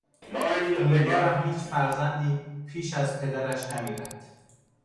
امیدوارم هیچ فرزندی پیش از پدرش نمیرد.